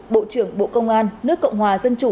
bộ trưởng bộ công an nước cộng hòa dân chủ